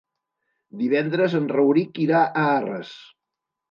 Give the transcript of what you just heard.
Divendres en Rauric irà a Arres.